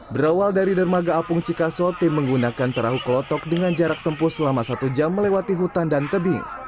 berawal dari dermaga apung cikaso tim menggunakan perahu kelotok dengan jarak tempuh selama satu jam melewati hutan dan tebing